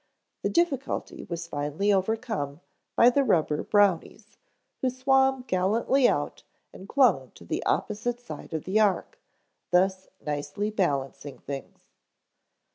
The difficulty was finally overcome by the rubber Brownies, who swam gallantly out and clung to the opposite side of the ark, thus nicely balancing things.